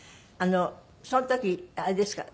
その時あれですか？